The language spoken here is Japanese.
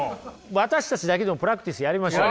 私たちだけでもプラクティスやりましょうよ。